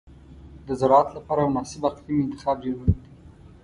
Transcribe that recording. د زراعت لپاره مناسب اقلیم انتخاب ډېر مهم دی.